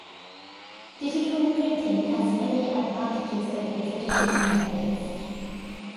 Digital printing has many advantages over traditional methods.